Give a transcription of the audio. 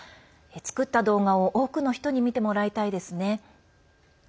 作った動画を多くの人に見てもらいたいですね。